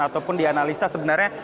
ataupun dianalisa sebenarnya